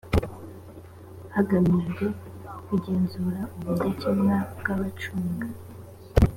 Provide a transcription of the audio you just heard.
hagamijwe kugenzura ubudakemwa bw abacunga